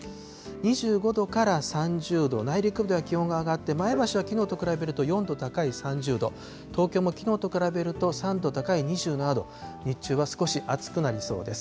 ２５度から３０度、内陸部では気温が上がって、前橋はきのうと比べると４度高い３０度、東京もきのうと比べると３度高い２７度、日中は少し暑くなりそうです。